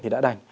thì đã đành